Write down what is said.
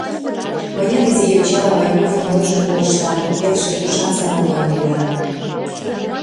Мыят изи йочала Байковын ойжым колыштам, пелше пушан самогоным йӱам.